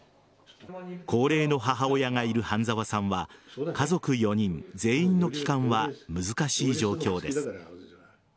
高齢の母親がいる半澤さんは家族４人全員の帰還は難しい状況です。